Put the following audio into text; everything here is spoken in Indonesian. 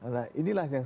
nah inilah yang